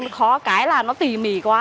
khó cái là nó tỉ mỉ quá